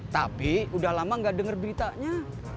tapi udah lama gak denger beritanya